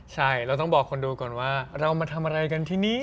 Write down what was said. ใช่เราต้องบอกคนดูก่อนว่าเรามาทำอะไรกันที่นี่